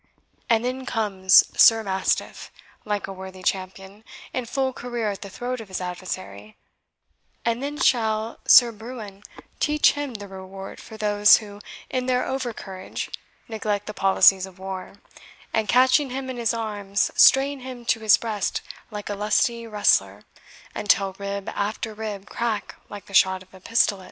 And then comes Sir Mastiff, like a worthy champion, in full career at the throat of his adversary; and then shall Sir Bruin teach him the reward for those who, in their over courage, neglect the policies of war, and, catching him in his arms, strain him to his breast like a lusty wrestler, until rib after rib crack like the shot of a pistolet.